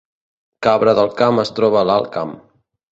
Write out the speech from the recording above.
Cabra del Camp es troba a l’Alt Camp